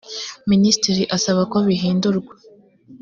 minisitiri asaba ko bihindurwa